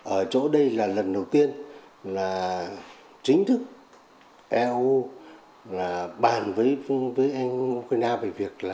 ở chỗ đây là lần đầu tiên là chính thức eu bàn với ukraine về việc là